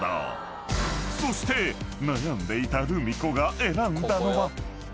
［そして悩んでいたルミ子が選んだのは］